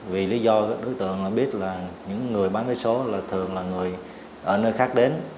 vì lý do đối tượng biết là những người bán vé số là thường là người ở nơi khác đến